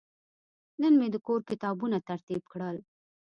نن مې د کور کتابونه ترتیب کړل.